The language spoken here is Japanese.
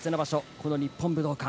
この日本武道館。